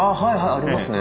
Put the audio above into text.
ありますね。